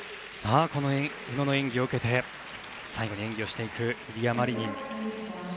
この宇野の演技を受けて最後に演技をしていくイリア・マリニン。